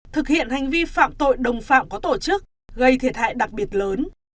thực hiện hành vi phạm tội đồng phạm có tổ chức gây thiệt hại đặc biệt lớn